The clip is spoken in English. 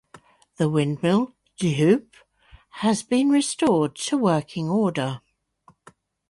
The windmill "De Hoop" has been restored to working order.